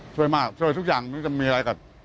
ช่วยมากช่วยทุกอย่างไม่รู้จะมีอะไรกับ